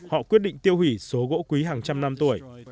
họ quyết định tiêu hủy số gỗ quý hàng trăm năm tuổi